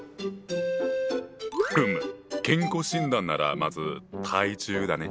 ふむ健康診断ならまず体重だね。